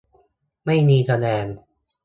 ไม่มีคะแนน